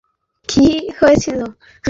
আমার ভাইয়ের কী হয়েছিল?